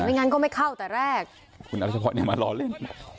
ไม่งั้นก็ไม่เข้าแต่แรกคุณอาจารย์พ่อเนี่ยมาลอเล่น